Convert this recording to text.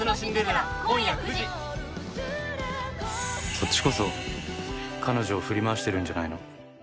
「そっちこそ彼女を振り回してるんじゃないの？」